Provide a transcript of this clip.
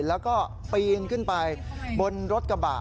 แล้วก็ปีนขึ้นไปบนรถกระบะ